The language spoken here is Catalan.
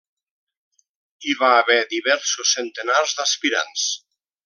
Hi va haver diversos centenars d'aspirants.